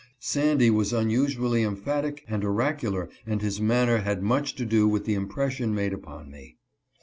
Sandy was unusually emphatic and oracular and his manner had much to do with the impression made upon me.